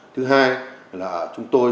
thứ hai là chúng tôi